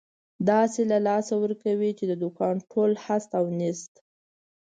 داسې له لاسه ورکوې، چې د دوکان ټول هست او نیست.